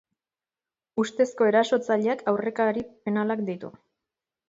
Ustezko erasotzaileak aurrekari penalak ditu.